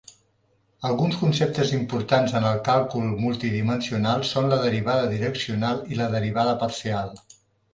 Alguns conceptes importants en el càlcul multidimensional són la derivada direccional i la derivada parcial.